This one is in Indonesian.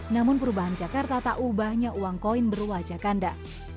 namun perubahan jakarta tak ubahnya uang koin berwajah kanda